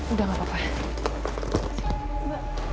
udah nggak apa apa